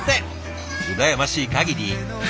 羨ましいかぎり。